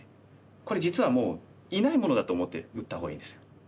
これ実はもういないものだと思って打ったほうがいいです。